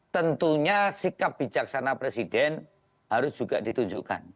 tentunya sikap bijaksana presiden harus juga ditunjukkan